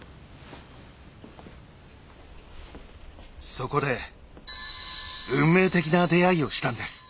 そこで運命的な出会いをしたんです。